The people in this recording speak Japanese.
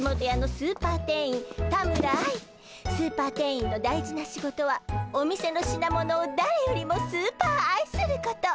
スーパー店員の大事な仕事はお店の品物をだれよりもスーパーあいすること。